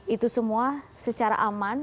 itu semua secara aman